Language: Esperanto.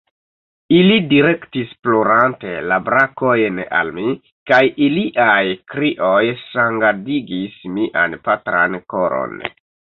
Ili direktis plorante la brakojn al mi, kaj iliaj krioj sangadigis mian patran koron.